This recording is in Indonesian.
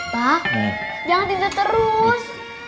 pak jangan tidur terus